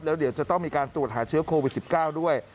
แล้วเดี๋ยวจะต้องมีการตรวจหาเชื้อโควิด๑๙ด้วย